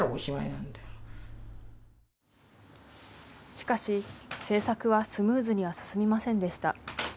しかし、制作はスムーズには進みませんでした。